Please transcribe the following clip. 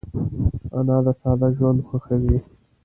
انا د ساده ژوند خوښوي